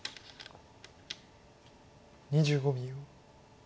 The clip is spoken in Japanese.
２５秒。